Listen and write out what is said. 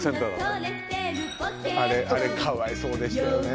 あれかわいそうでしたよね